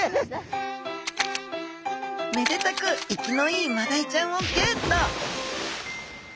めでたく生きのいいマダイちゃんをゲット！